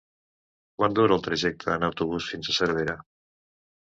Quant dura el trajecte en autobús fins a Cervera?